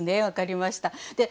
分かりました。